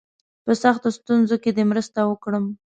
په سختو ستونزو کې دي مرسته وکړم.